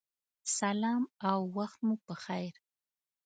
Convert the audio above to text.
سلام او وخت مو پخیر